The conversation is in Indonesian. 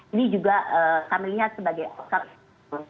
ini juga kami lihat sebagai outcome